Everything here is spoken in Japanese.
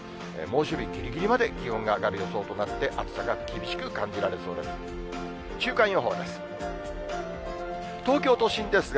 猛暑日ぎりぎりまで気温が上がる予想となって、暑さが厳しく感じられそうです。